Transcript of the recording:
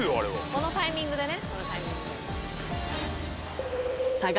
このタイミングでね。